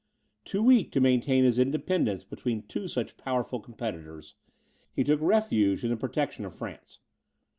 Too weak to maintain his independence between two such powerful competitors, he took refuge in the protection of France.